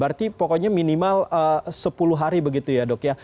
berarti pokoknya minimal sepuluh hari begitu ya dok ya